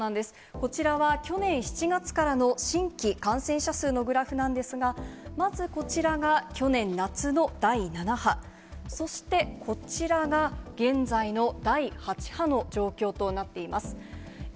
こちらは、去年７月からの新規感染者数のグラフなんですが、まずこちらが去年夏の第７波、そしてこちらが、現在の第８波の状況となっています。